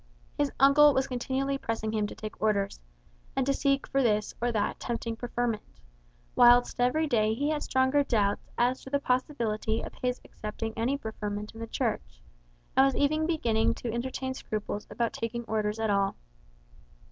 His uncle was continually pressing him to take Orders, and to seek for this or that tempting preferment; whilst every day he had stronger doubts as to the possibility of his accepting any preferment in the Church, and was even beginning to entertain scruples about taking Orders at all.